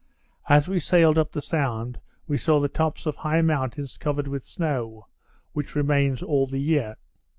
As we sailed up the sound we saw the tops of high mountains covered with snow, which remains all the year.